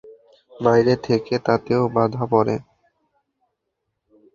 বাইরে থেকে তাতেও বাধা পড়ে।